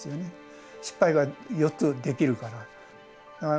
失敗が４つできるから。